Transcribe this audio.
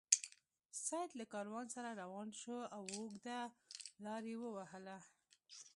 سید له کاروان سره روان شو او اوږده لار یې ووهله.